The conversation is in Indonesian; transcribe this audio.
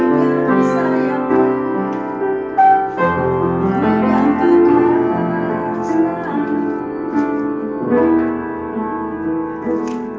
pesik yang saya pilih terlalu keras lagi